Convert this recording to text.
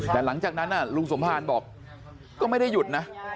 แต่หลังจากนั้นลุงสมภารบอกก็ไม่ได้หยุดนะ